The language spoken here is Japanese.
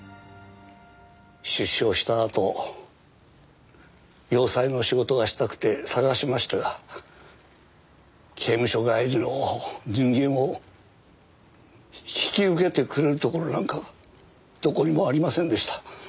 出所したあと洋裁の仕事がしたくて探しましたが刑務所帰りの人間を引き受けてくれるところなんかどこにもありませんでした。